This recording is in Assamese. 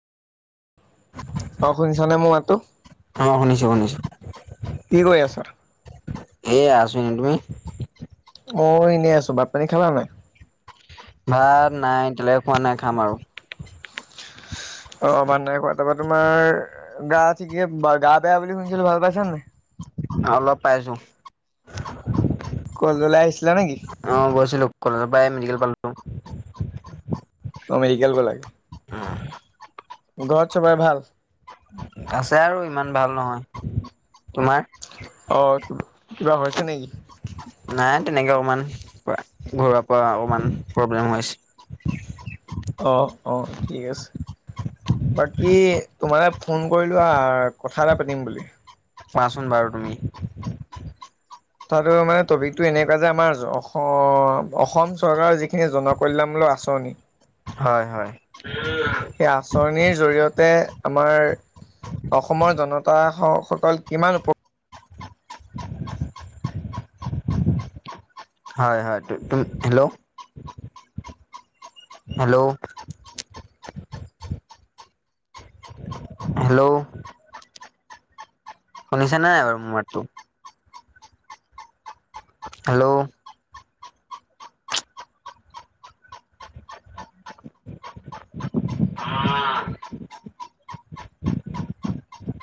অ, শুনিছ নে মোৰ মাততো। অ শুনিছো শুনিছো কি কৰি আছা? এয়া আছু এন তুমি? মই এনেই আছো ভাতপানী খালা নে নাই। ভাত নাই এতিয়ালৈকে খোৱা নাই খাম আৰু। অ, মান নাই কোৱা তাৰপৰা তোমাৰ গা ঠিক গা বেয়া বুলি শুনিছিলো ভাল পাইছা নে? অলপ পাইছো। কলেজৰ পৰা আহিছিলা নেকি? অ গৈছিলো কলেজৰ পৰাই মেডিকেল পালো। ত' মেডিকেল পালে। উম, ঘৰত চবৰে ভাল। আছে আৰু ইমান ভাল নহয় তোমাৰ? অ কিবা হৈছে নেকি নাই তেনেকে অকমান ঘৰুৱ পৰা অকমান প্ৰব্লেম হৈ হৈছে অ অ ঠিক আছে বাকী তোমাৰে ফোন কৰিলোঁ হ কথা এটা পাতিম বুলি কোৱাচোন বাৰু তুমি তো মানে টপিকটো এনেকুৱা যে আমাৰ অসম অসম চৰকাৰৰ যিখিনি জনকল্যাণ মূলক আচৰনি হয় হয় সেই আঁচনিৰ জৰিয়তে আমাৰ অসমৰ জনতা সকল কিমান উপ হয় হয় হেল্ল' হেল্ল' হেল্ল' শুনিছা নাই বাৰু মমাৰটো হেল্ল' আ আ